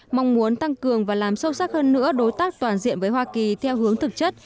mong muốn tăng cường và làm sâu sắc hơn nữa đối tác toàn diện với hoa kỳ theo hướng thực chất